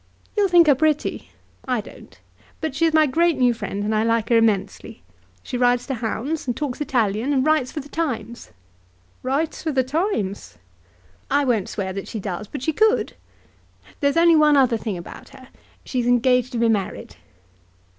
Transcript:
You'll think her pretty. I don't. But she is my great new friend, and I like her immensely. She rides to hounds, and talks Italian, and writes for the Times." "Writes for the Times!" "I won't swear that she does, but she could. There's only one other thing about her. She's engaged to be married."